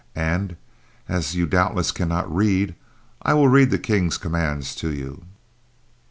"And, as you doubtless cannot read, I will read the King's commands to you."